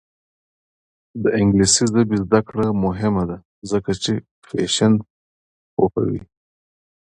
د انګلیسي ژبې زده کړه مهمه ده ځکه چې فیشن پوهوي.